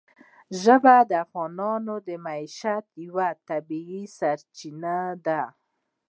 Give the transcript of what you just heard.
ژبې د افغانانو د معیشت یوه طبیعي سرچینه ده.